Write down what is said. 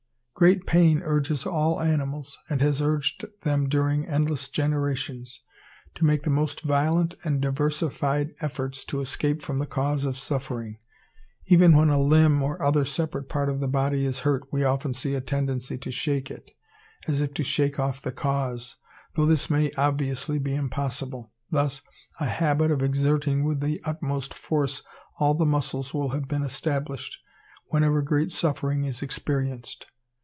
Great pain urges all animals, and has urged them during endless generations, to make the most violent and diversified efforts to escape from the cause of suffering. Even when a limb or other separate part of the body is hurt, we often see a tendency to shake it, as if to shake off the cause, though this may obviously be impossible. Thus a habit of exerting with the utmost force all the muscles will have been established, whenever great suffering is experienced.